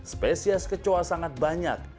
spesies kecoa sangat banyak